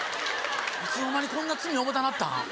いつの間にこんな罪重たなったん？